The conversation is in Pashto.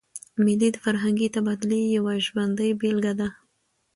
مېلې د فرهنګي تبادلې یوه ژوندۍ بېلګه ده.